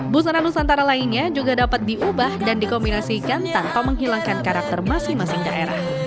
busana nusantara lainnya juga dapat diubah dan dikombinasikan tanpa menghilangkan karakter masing masing daerah